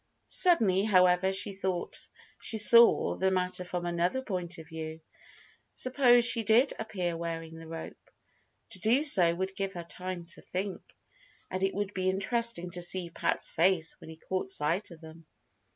Suddenly, however, she saw the matter from another point of view. Suppose she did appear wearing the rope? To do so would give her time to think. And it would be interesting to see Pat's face when he caught sight of them.